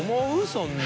そんな。